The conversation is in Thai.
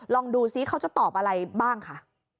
ลองดูซิเขาจะตอบอะไรบ้างค่ะ